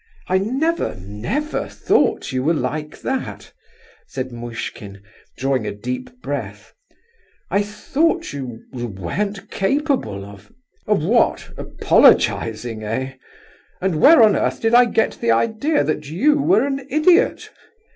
"I never, never thought you were like that," said Muishkin, drawing a deep breath. "I thought you—you weren't capable of—" "Of what? Apologizing, eh? And where on earth did I get the idea that you were an idiot?